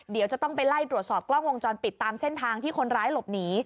เดี๋ยวจะต้องไปไล่ตรวจสอบกล้องวงจรปิดตามเส้นทางที่คนร้ายหลบหนี